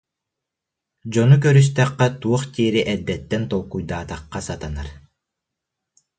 Дьону көрүстэххэ туох диири эрдэттэн толкуйдаатахха сатанар